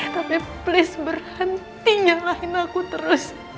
tapi please berhenti nyalahin aku terus